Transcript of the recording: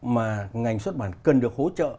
mà ngành xuất bản cần được hỗ trợ